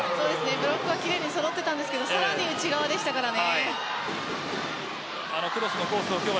ブロックは奇麗にそろっていたんですけどさらに内側でしたからね。